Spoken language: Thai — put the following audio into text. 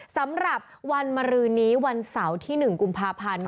สำหรับวันมรือนี้วันเสาร์ที่๑กุมภาพันธ์